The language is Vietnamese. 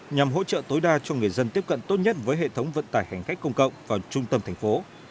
nhằm hỗ trợ tối đa cho người dân tiếp cận tốt nhất với hệ thống vận tải hành khách công cộng vào trung tâm thành phố